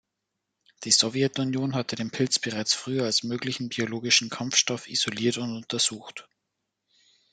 Die Sowjetunion hatte den Pilz bereits früher als möglichen biologischen Kampfstoff isoliert und untersucht.